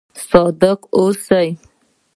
صادق اوسئ